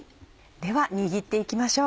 では握って行きましょう。